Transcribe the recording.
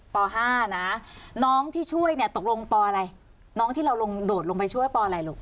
ป๕นะน้องที่ช่วยเนี่ยตกลงปอะไรน้องที่เราลงโดดลงไปช่วยปอะไรลูก